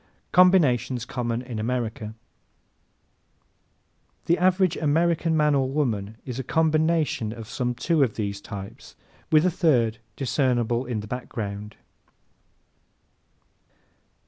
Combinations Common in America ¶ The average American man or woman is a COMBINATION of some two of these types with a third discernible in the background.